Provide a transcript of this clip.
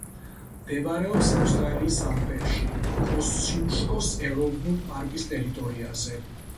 მდებარეობს ავსტრალიის ალპებში, კოსციუშკოს ეროვნულ პარკის ტერიტორიაზე.